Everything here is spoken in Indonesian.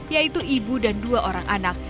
yaitu ibu dan dua orang anak